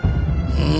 うん。